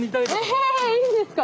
えいいんですか？